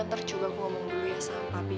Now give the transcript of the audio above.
ntar juga aku ngomong dulu ya sama papi